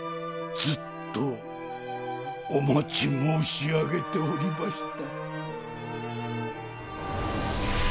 ずっとお待ち申し上げておりました。